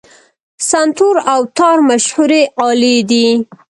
سنتور او تار مشهورې الې دي.